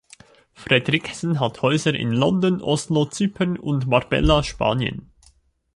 Fredriksen hat Häuser in London, Oslo, Zypern und Marbella, Spanien.